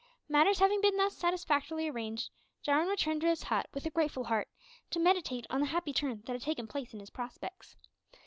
Matters having been thus satisfactorily arranged, Jarwin returned to his hut with a grateful heart, to meditate on the happy turn that had taken place in his prospects.